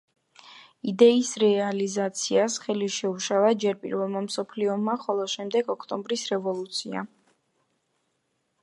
იდეის რეალიზაციას ხელი შეუშალა ჯერ პირველმა მსოფლიო ომმა, ხოლო შემდეგ ოქტომბრის რევოლუციამ.